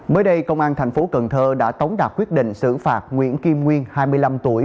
mới đây công an tp cần thơ đã tống đạp quyết định xử phạt nguyễn kim nguyên hai mươi năm tuổi